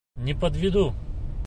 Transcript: Не подведу!